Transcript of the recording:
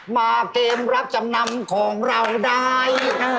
มาเกมรับจำนำของเราได้